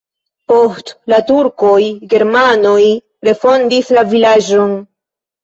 Post la turkoj germanoj refondis la vilaĝon.